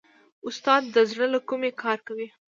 استاد د زړه له کومې کار کوي.